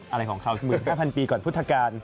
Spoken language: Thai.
อะไรของเขา๑๕๐๐๐ปีก่อนพุทธกาล